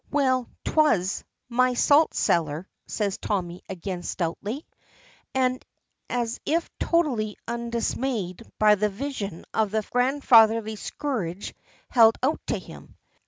"Well, 'twas my salt cellar," says Tommy again stoutly, and as if totally undismayed by the vision of the grand fatherly scourge held out to him.